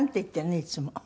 いつも。